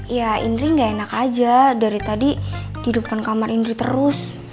ya indri gak enak aja dari tadi di depan kamar indri terus